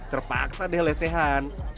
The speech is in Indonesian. terpaksa deh lesehan